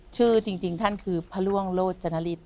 ชื่อจริงท่านคือพระร่วงโลจนฤทธ